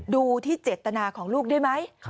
ดูที่เจตนาของลูกได้ไหม